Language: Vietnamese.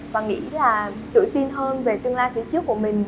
và nghĩ là tự tin hơn về tương lai phía trước của mình